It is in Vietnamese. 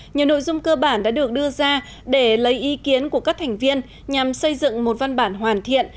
nhiều nội dung cơ bản đã được đưa ra để lấy ý kiến của các thành viên nhằm xây dựng một văn bản hoàn thiện